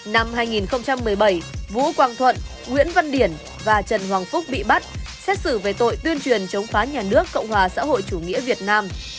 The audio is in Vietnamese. năm hai nghìn một mươi bảy vũ quang thuận nguyễn văn điển và trần hoàng phúc bị bắt xét xử về tội tuyên truyền chống phá nhà nước cộng hòa xã hội chủ nghĩa việt nam